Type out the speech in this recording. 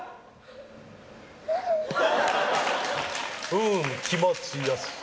うーん、気持ちよし。